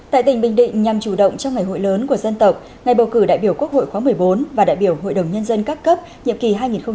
tại tỉnh bình định nhằm chủ động cho ngày hội lớn của dân tộc ngày bầu cử đại biểu quốc hội khóa một mươi bốn và đại biểu hội đồng nhân dân các cấp nhập kỳ hai nghìn một mươi sáu hai nghìn hai mươi một